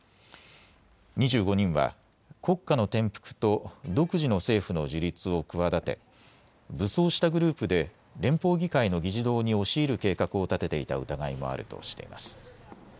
２５人は国家の転覆と独自の政府の樹立を企て武装したグループで連邦議会の議事堂に押し入る計画を立てていた疑いもあるとしています。